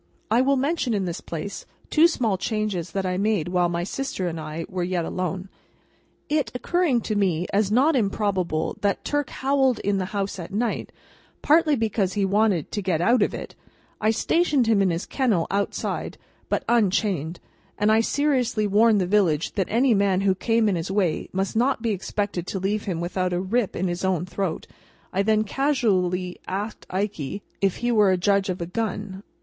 I will mention, in this place, two small changes that I made while my sister and I were yet alone. It occurring to me as not improbable that Turk howled in the house at night, partly because he wanted to get out of it, I stationed him in his kennel outside, but unchained; and I seriously warned the village that any man who came in his way must not expect to leave him without a rip in his own throat. I then casually asked Ikey if he were a judge of a gun?